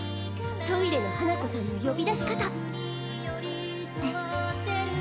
トイレの花子さんの呼び出し方